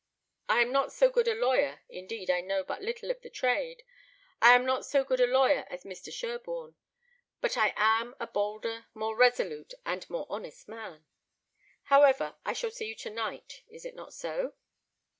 I am not so good a lawyer indeed, I know but little of the trade I am not so good a lawyer as Mr. Sherborne, but I am a bolder, more resolute, and more honest man. However, I shall see you to night. Is it not so?"